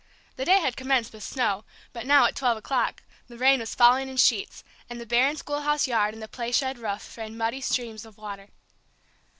The day had commenced with snow, but now, at twelve o'clock, the rain was falling in sheets, and the barren schoolhouse yard, and the play shed roof, ran muddy streams of water.